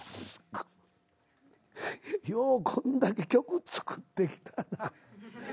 ようこんだけ曲作ってきたな。